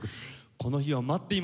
この日を待っていました。